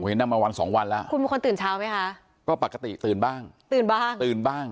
เห็นนำมาวันสองวันแล้วคุณมีคนตื่นเช้าไหมคะก็ปกติตื่นบ้างตื่นบ้างตื่นบ้าง